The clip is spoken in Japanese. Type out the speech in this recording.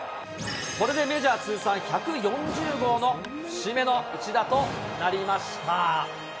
これでメジャー通算１４０号の節目の一打となりました。